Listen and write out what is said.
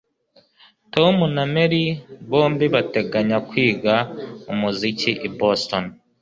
Tom na Mary bombi barateganya kwiga umuziki i Boston